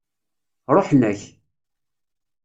Ṛuḥen-ak.